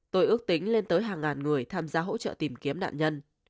tôi ước tính lên tới hàng ngàn người tham gia hỗ trợ tìm kiếm nạn nhân